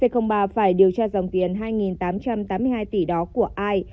c ba phải điều tra dòng tiền hai tám trăm tám mươi hai tỷ đó của ai